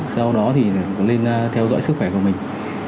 sau đó thì lên theo dõi sức khỏe của mình